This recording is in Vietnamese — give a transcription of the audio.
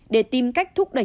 để tìm cách thúc đẩy